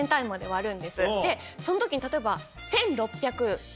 その時に例えば。